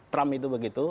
trump itu begitu